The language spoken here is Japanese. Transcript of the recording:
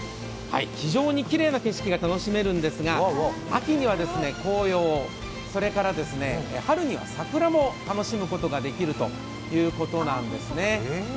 非常にきれいな景色が楽しめるんですが秋には紅葉、春には桜も楽しむことができるということなんですね。